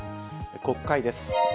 国会です。